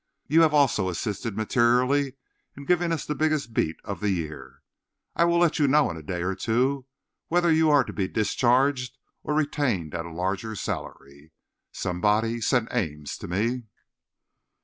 You have also assisted materially in giving us the biggest 'beat' of the year. I will let you know in a day or two whether you are to be discharged or retained at a larger salary. Somebody send Ames to me."